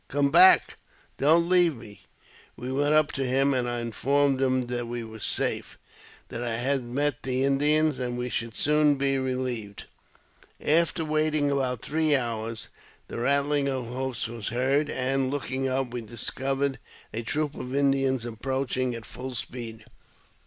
come back ! don't leave me !We went up to him, and I informed him that we were safe ; that I had met the Indians, and we should soon be relieved. After waiting about three hours, the rattling of hoofs was heard, and, looking up, we discovered a troop of Indians ap proaching at full speed.